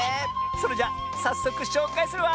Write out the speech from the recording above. それじゃさっそくしょうかいするわ！